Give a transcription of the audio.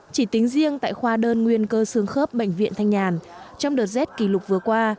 chỉ tính riêng tại khoa đơn nguyên cơ sương khớp bệnh viện thanh nhàn trong đờ rét kỷ lục vừa qua